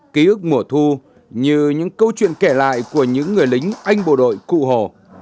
ký ức mùa thu như những câu chuyện kể lại của những người lính anh bộ đội cụ hồ